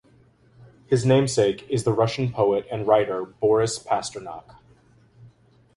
His namesake is the Russian poet and writer Boris Pasternak.